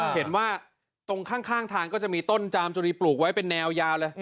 เห็นว่าตรงข้างทางก็จะมีต้นจามจุรีปลูกไว้เป็นแนวยาวเลย